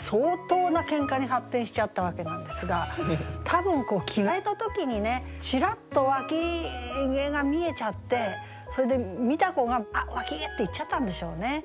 相当なケンカに発展しちゃったわけなんですが多分着替えた時にねちらっと腋毛が見えちゃってそれで見た子が「あっ腋毛！」って言っちゃったんでしょうね。